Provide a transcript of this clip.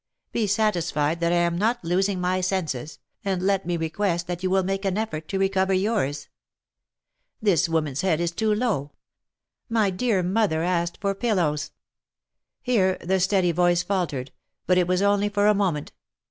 Be satisfied that I am not losing my senses, and let me request that you will make an effort to recover yours. This woman's head is too low. My dear mother asked for pillows." Here the steady voice faltered, but it was now only for a k 2 132 THE LIFE AND ADVENTURES moment.